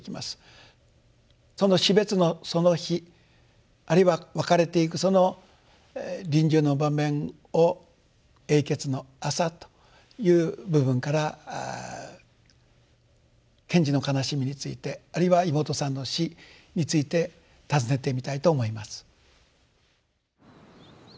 その死別のその日あるいは別れていくその臨終の場面を「永訣の朝」という部分から賢治の悲しみについてあるいは妹さんの死についてたずねてみたいと思います。